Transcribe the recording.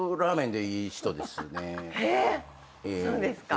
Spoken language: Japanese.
えっ⁉そうですか。